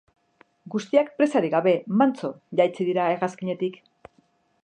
Guztiak presarik gabe, mantso, jaitsi dira hegazkinetik.